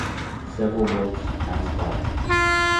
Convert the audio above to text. Several months pass by.